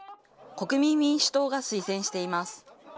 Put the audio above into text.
国民民主党が推薦しています。